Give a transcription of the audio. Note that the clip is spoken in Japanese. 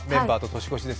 年越しです。